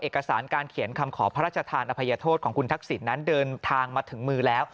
เอกสารการเขียนคำขอพระราชทานอภัยโทษของคุณทักษิณนั้นเดินทางมาถึงมือแล้ว